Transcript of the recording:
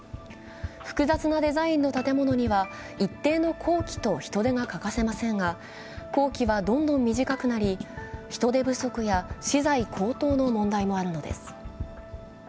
複雑なデザインの建物には一定の工期と人手が欠かせませんが工期ははどんどん短くなり、人手不足や資材高騰の問題もあるのです。